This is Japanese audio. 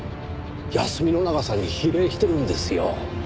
休みの長さに比例してるんですよ。